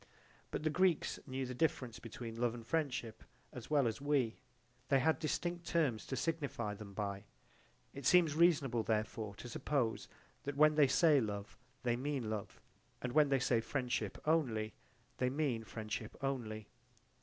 But the Greeks knew the difference between love and friendship as well as we they had distinct terms to signify them by: it seems reasonable therefore to suppose that when they say love they mean love, and that when they say friendship only they mean friendship only.